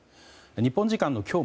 日本時間の今日